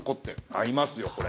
合いますよ、これ。